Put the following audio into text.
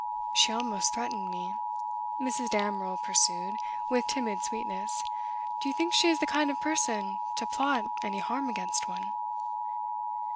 'She almost threatened me,' Mrs. Damerel pursued, with timid sweetness. 'Do you think she is the kind of person to plot any harm against one?